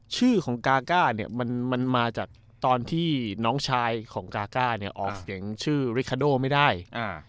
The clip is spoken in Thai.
ชื่อของกาก้าเนี่ยมันมันมาจากตอนที่น้องชายของกาก้าเนี่ยออกเสียงชื่อริคาโดไม่ได้อ่า